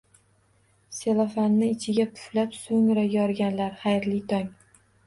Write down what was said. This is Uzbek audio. Selofanni ichiga puflab, so'ngra yorganlar, xayrli tong!